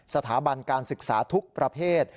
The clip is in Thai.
สถาบันการศึกษาทุกประเภท